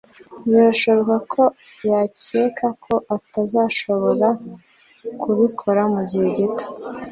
birashoboka ko yakeka ko atazashobora kubikora mugihe gito